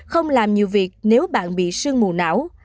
không làm nhiều việc nếu bạn bị sương mù não